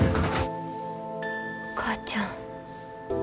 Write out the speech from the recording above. お母ちゃん。